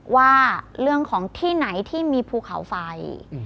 ว่าเรื่องของที่ไหนที่มีภูเขาไฟ